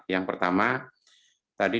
yang pertama tadi